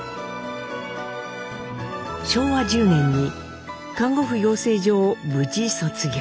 昭和１０年に看護婦養成所を無事卒業。